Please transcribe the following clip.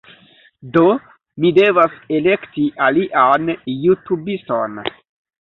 Do, mi devas elekti alian jutubiston